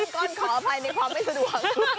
ก้อนขออภัยในความไม่สะดวก